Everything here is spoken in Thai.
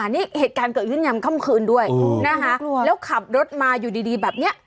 นี่เหตุการณ์เกิดขึ้นยำค่ำคืนด้วยนะคะแล้วขับรถมาอยู่ดีแบบนี้